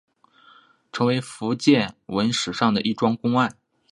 形成福建文史上的一桩公案。